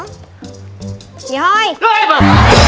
มีห้อยครั้ยมา